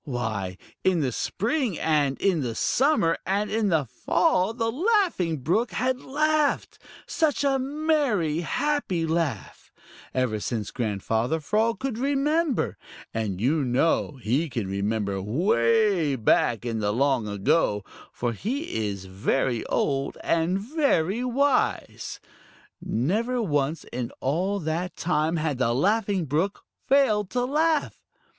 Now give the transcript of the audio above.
Why, in the spring and in the summer and in the fall the Laughing Brook had laughed such a merry, happy laugh ever since Grandfather Frog could remember, and you know he can remember way back in the long ago, for he is very old and very wise. Never once in all that time had the Laughing Brook failed to laugh.